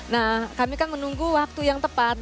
nah kami kan menunggu waktu yang tepat